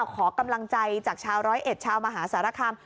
ขอกำลังใจจากชาวร้อยเอ็ดชาวมหาสารคาม